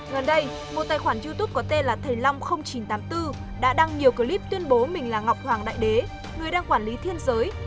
gần đây một tài khoản youtube có tên là thầy long chín trăm tám mươi bốn đã đăng nhiều clip tuyên bố mình là ngọc hoàng đại đế người đang quản lý thiên giới